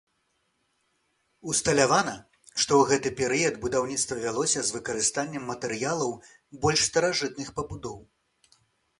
Усталявана, што ў гэты перыяд будаўніцтва вялося з выкарыстаннем матэрыялаў больш старажытных пабудоў.